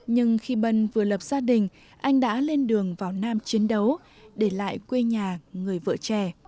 nhưng khi bân vừa lập gia đình anh đã lên đường vào nam chiến đấu để lại quê nhà người vợ trẻ